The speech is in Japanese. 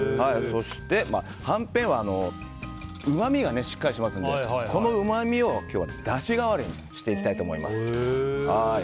そして、はんぺんはうまみがしっかりしていますのでこのうまみを今日はだし代わりにしていきたいと思います。